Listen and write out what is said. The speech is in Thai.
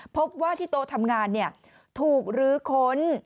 พบว่าที่โต๊ะทำงานถูกลื้อค้น